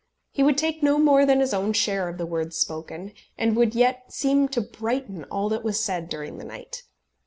He would take no more than his own share of the words spoken, and would yet seem to brighten all that was said during the night.